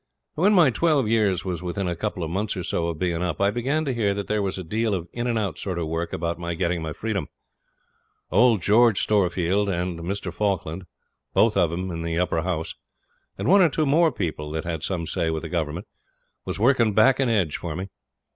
When my twelve years was within a couple of months or so of being up I began to hear that there was a deal of in and out sort of work about my getting my freedom. Old George Storefield and Mr. Falkland both of 'em in the Upper House and one or two more people that had some say with the Government, was working back and edge for me.